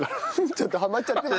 ちょっとハマっちゃってる。